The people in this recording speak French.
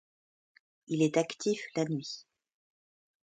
Il est actif la nuit.